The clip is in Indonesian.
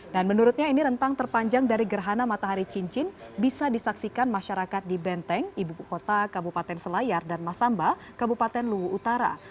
dan menurutnya ini rentang terpanjang dari gerhana matahari cincin bisa disaksikan masyarakat di benteng ibu kota kabupaten selayar dan masamba kabupaten luwu utara